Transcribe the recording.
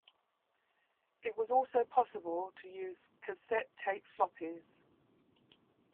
It was also possible to use cassette tape floppies.